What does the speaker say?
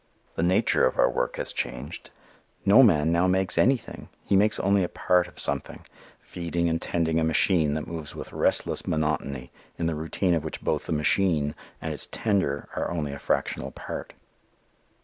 The nature of our work has changed. No man now makes anything. He makes only a part of something, feeding and tending a machine that moves with relentless monotony in the routine of which both the machine and its tender are only a fractional part.